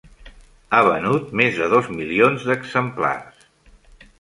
Ha venut més de dos milions d'exemplars.